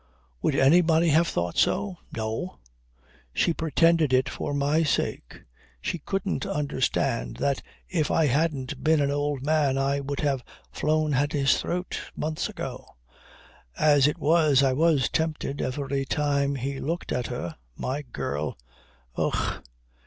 Would anybody have thought so? No! She pretended it was for my sake. She couldn't understand that if I hadn't been an old man I would have flown at his throat months ago. As it was I was tempted every time he looked at her. My girl. Ough!